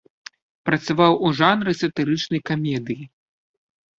Працаваў у жанры сатырычнай камедыі.